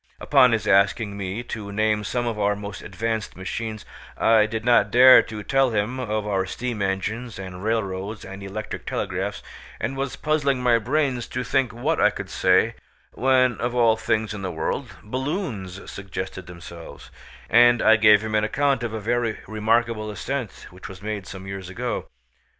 Upon his asking me to name some of our most advanced machines, I did not dare to tell him of our steam engines and railroads and electric telegraphs, and was puzzling my brains to think what I could say, when, of all things in the world, balloons suggested themselves, and I gave him an account of a very remarkable ascent which was made some years ago.